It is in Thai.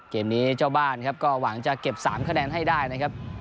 เกมนี้เจ้าบ้านครับก็หวังจะเก็บ๓คะแนนให้ได้นะครับ